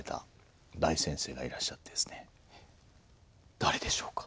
誰でしょうか？